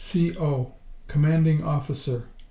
C.O. Commanding Officer.